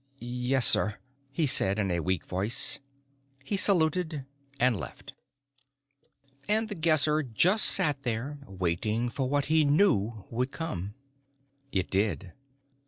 "Yes, sir," he said in a weak voice. He saluted and left. And The Guesser just sat there, waiting for what he knew would come. It did.